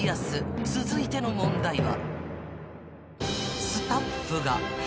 ［続いての問題は］